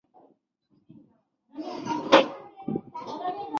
其他东京都所管公园有都立海上公园。